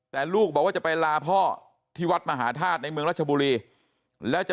แต่ลูกบอกว่าจะไปลาพ่อที่วัดมหาธาตุในเมืองรัชบุรีแล้วจะ